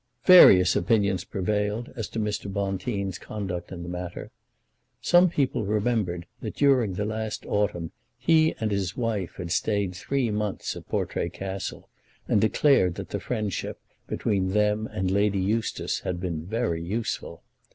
Various opinions prevailed as to Mr. Bonteen's conduct in the matter. Some people remembered that during the last autumn he and his wife had stayed three months at Portray Castle, and declared that the friendship between them and Lady Eustace had been very useful.